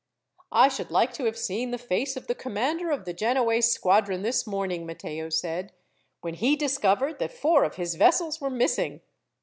"I should like to have seen the face of the commander of the Genoese squadron this morning," Matteo said, "when he discovered that four of his vessels were missing.